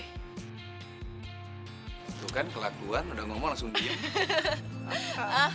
itu kan kelakuan udah ngomong langsung diam